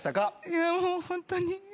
いやもうホントに。